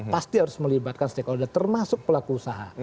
pasti harus melibatkan stakeholder termasuk pelaku usaha